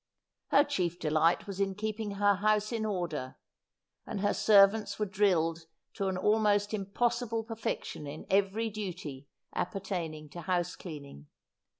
Her chief delight was in keeping her house in order ; and her servants were drilled to an almost impossible perfection in every duty appertaining to house cleaning.